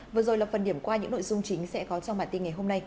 vừa rồi là phần điểm qua những nội dung chính sẽ có trong bản tin ngày hôm nay